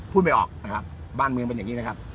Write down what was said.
ไม่ออกนะครับบ้านเมืองเป็นอย่างนี้นะครับ